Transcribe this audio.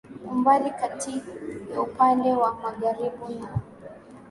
Umbali kati ya upande wa magharibi na